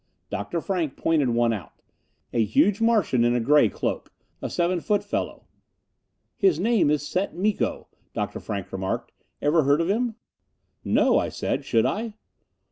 Dr. Frank pointed out one. A huge Martian in a gray cloak. A seven foot fellow. "His name is Set Miko," Dr. Frank remarked. "Ever heard of him?" "No," I said. "Should I?"